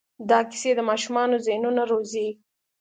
دا کیسې د ماشومانو ذهنونه روزي.